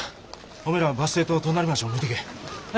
おめえらはバス停と隣町も見てけえ。